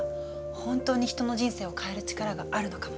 本当に人の人生を変える力があるのかも。